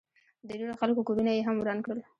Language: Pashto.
د ډېرو خلکو کورونه ئې هم وران کړل